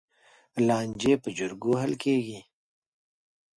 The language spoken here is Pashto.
لانجې په جرګو حل کېږي.